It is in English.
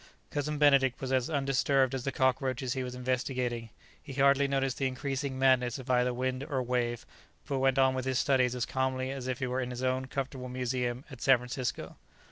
Cousin Benedict was as undisturbed as the cockroaches he was investigating; he hardly noticed the increasing madness of either wind or wave, but went on with his studies as calmly as if he were in his own comfortable museum at San Francisco.